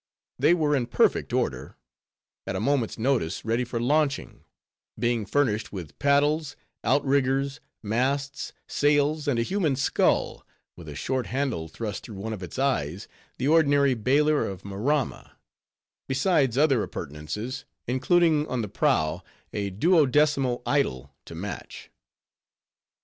They were in perfect order; at a moment's notice, ready for launching; being furnished with paddles, out riggers, masts, sails, and a human skull, with a short handle thrust through one of its eyes, the ordinary bailer of Maramma; besides other appurtenances, including on the prow a duodecimo idol to match.